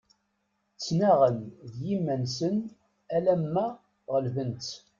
Ttenaɣen d yiman-nsen alamma ɣelben-tt.